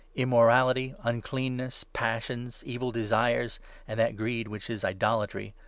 immorality, uncleanness, passions, evil desires, and that greed which is idolatry.